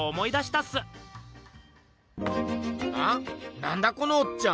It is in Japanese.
なんだこのおっちゃん。